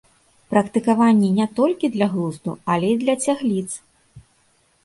Практыкаванні не толькі для глузду, але і для цягліц!